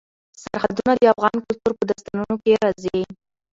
سرحدونه د افغان کلتور په داستانونو کې راځي.